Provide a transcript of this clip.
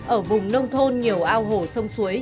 ở vùng nông thôn nhiều ao hồ sông suối